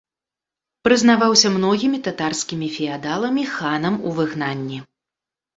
Прызнаваўся многімі татарскімі феадаламі ханам у выгнанні.